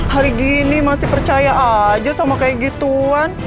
hari gini masih percaya aja sama kayak gituan